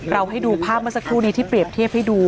ให้ดูภาพเมื่อสักครู่นี้ที่เปรียบเทียบให้ดู